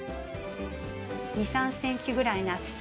２３ｃｍぐらいの厚さ。